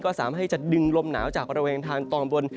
ก็สามารถให้จะดึงลมหนาวจากบริเวณทางตอนบน